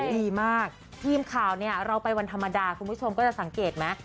ดีมากทีมข่าวเนี่ยเราไปวันธรรมดาคุณผู้ชมก็จะสังเกตไหม